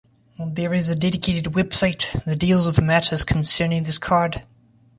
There is a dedicated website that deals with matters concerning this card.